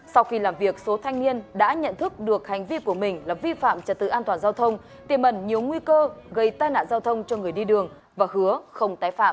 sau khi làm việc số thanh niên đã nhận thức được hành vi của mình là vi phạm trật tự an toàn giao thông tiêm ẩn nhiều nguy cơ gây tai nạn giao thông cho người đi đường và hứa không tái phạm